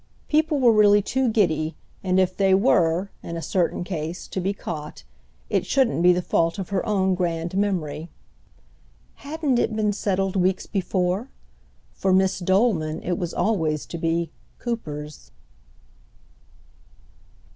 People were really too giddy, and if they were, in a certain case, to be caught, it shouldn't be the fault of her own grand memory. Hadn't it been settled weeks before?—for Miss Dolman it was always to be "Cooper's."